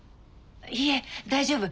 いいえ大丈夫。